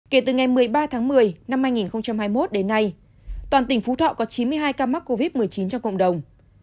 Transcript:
kể từ ngày một mươi ba tháng một mươi năm hai nghìn hai mươi một đến nay toàn tỉnh phú thọ có chín mươi hai ca mắc covid một mươi chín trong cộng đồng